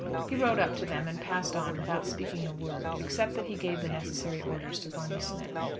He rode up to them and passed on without speaking a word, except that he gave the necessary orders to Barney Smith.